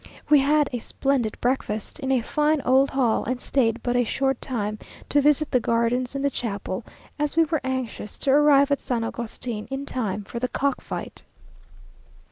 We had a splendid breakfast, in a fine old hall, and stayed but a short time to visit the gardens and the chapel, as we were anxious to arrive at San Agustin in time for the cock fight.